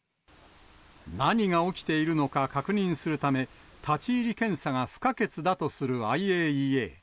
何が起きているのか確認するため、立ち入り検査が不可欠だとするＩＡＥＡ。